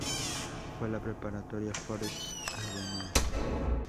Fue a la Preparatoria Forest Avenue.